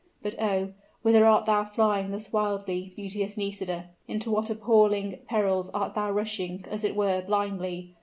But, oh! whither art thou flying thus wildly, beauteous Nisida? into what appalling perils art thou rushing, as it were, blindly?